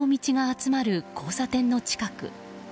現場は、５本の道が集まる交差点の近く。